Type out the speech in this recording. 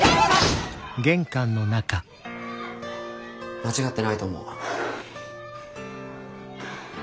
間違ってないと思う。